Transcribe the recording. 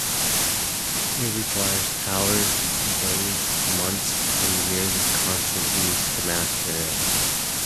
It requires hours, days, months and years of constant use to master it.